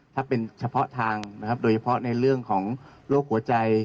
ถ้าเป็นเฉพาะทางนะครับโดยเฉพาะในเรื่องของโรคหัวใจ